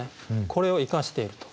これを生かしていると。